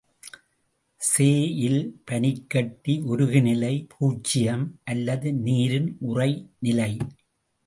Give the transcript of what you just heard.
செஇல் பனிக்கட்டி உருகுநிலை பூஜ்ஜியம் அல்லது நீரின் உறைநிலை.